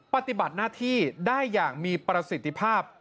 ปฏิบัติหน้าที่ได้อย่างมีประสิทธิภาพ